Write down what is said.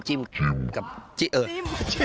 จิ้มเออจิ้ม